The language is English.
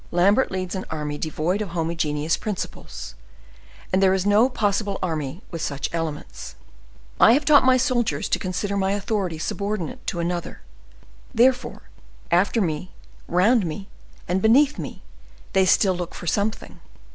Lambert leads an army devoid of homogeneous principles, and there is no possible army with such elements. I have taught my soldiers to consider my authority subordinate to another, therefore, after me, round me, and beneath me, they still look for something.